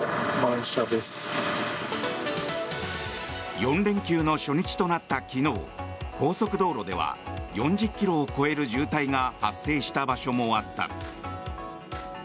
４連休の初日となった昨日高速道路では４０ｋｍを超える渋滞が発生した場所もあった。